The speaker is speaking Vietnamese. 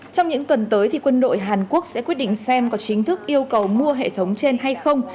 trong những tuần tới quân đội hàn quốc sẽ quyết định xem có chính thức yêu cầu mua hệ thống trên hay không